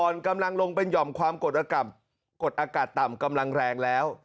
อ่อนกำลังลงเป็นห่อมความกดอากาศกดอากาศต่ำกำลังแรงแล้ว